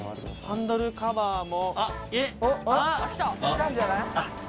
ハンドルカバーは。